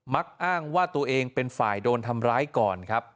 มักอ้างว่าตัวเองเป็นฝ่ายโดนทำร้ายก่อนครับ